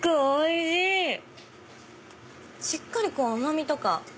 しっかり甘みとか。